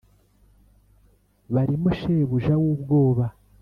Barimo shebuja w'ubwoba